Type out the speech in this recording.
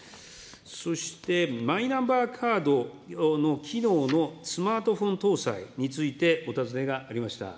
そして、マイナンバーカードの機能のスマートフォン搭載について、お尋ねがありました。